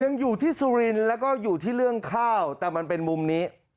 ยังอยู่ที่สุรินทร์แล้วก็อยู่ที่เรื่องข้าวแต่มันเป็นมุมนี้